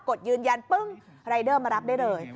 ดยืนยันปึ้งรายเดอร์มารับได้เลย